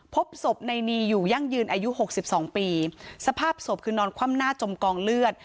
พบศพในนีอยู่ยั่งยืนอายุหกสิบสองปีสภาพศพคือนอนคว่ำหน้าจมกองเลือด